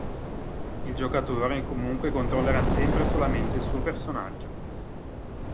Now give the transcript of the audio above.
Il giocatore, comunque, controllerà sempre solamente il suo personaggio.